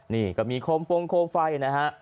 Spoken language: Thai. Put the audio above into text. นี่ก็มีโคมฟงโคมไฟนะฮะ